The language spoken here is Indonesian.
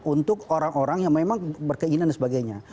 untuk orang orang yang memang berkeinginan dan sebagainya